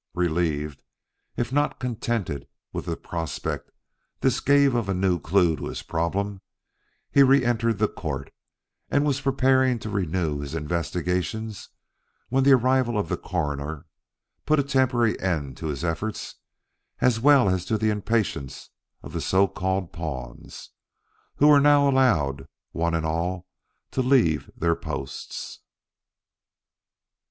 Relieved, if not contented with the prospect this gave of a new clue to his problem, he reëntered the court and was preparing to renew his investigations when the arrival of the Coroner put a temporary end to his efforts as well as to the impatience of the so called pawns, who were now allowed, one and all, to leave their posts.